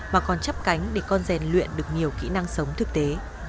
mà còn chấp cánh để con rèn luyện được nhiều kỹ năng sống thực tế